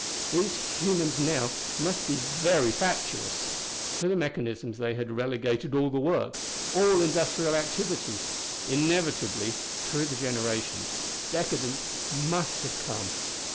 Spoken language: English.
These humans now must be very fatuous. To the mechanisms they had relegated all the work, all industrial activity. Inevitably, through the generations, decadence must have come.